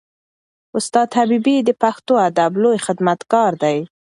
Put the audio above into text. استاد حبیبي د پښتو ادب لوی خدمتګار دی.